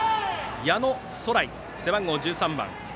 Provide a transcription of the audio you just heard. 矢野壮頼、背番号１３番。